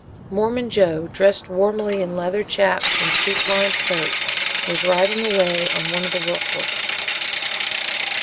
Mormon Joe, dressed warmly in leather "chaps" and sheep lined coat, was riding away on one of the work horses.